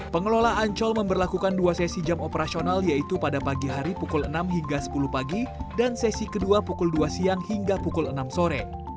pengelola ancol memperlakukan dua sesi jam operasional yaitu pada pagi hari pukul enam hingga sepuluh pagi dan sesi kedua pukul dua siang hingga pukul enam sore